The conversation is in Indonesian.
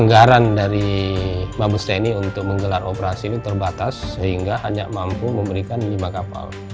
anggaran dari mabes tni untuk menggelar operasi ini terbatas sehingga hanya mampu memberikan lima kapal